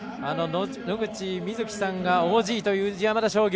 野口みずきさんがＯＧという宇治山田商業。